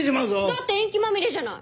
だってインキまみれじゃない。